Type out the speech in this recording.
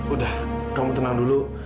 udah kamu tenang dulu